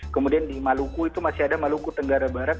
kemudian di maluku itu masih ada maluku tenggara barat